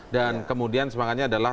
dan kemudian semangatnya adalah